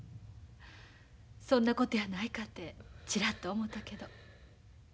そんなことやないかてちらっと思たけど。